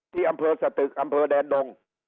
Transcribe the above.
ที่อำเภอสตึกอำเภอแดนดง